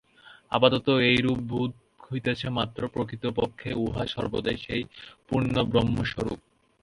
আপাতত এইরূপ বোধ হইতেছে মাত্র, প্রকৃতপক্ষে উহা সর্বদাই সেই পূর্ণব্রহ্মস্বরূপ।